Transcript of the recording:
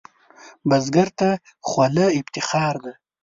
بزګر ته خوله افتخار ده